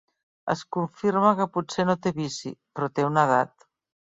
Es confirma que potser no té vici, però té una edat.